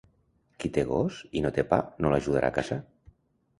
Qui té gos i no té pa, no l'ajudarà a caçar.